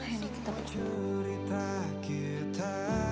lu prakir sama cerita kita